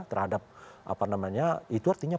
terhadap apa namanya itu artinya